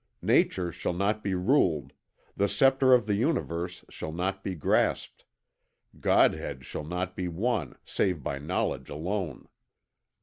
Nature shall not be ruled, the sceptre of the Universe shall not be grasped, Godhead shall not be won, save by knowledge alone.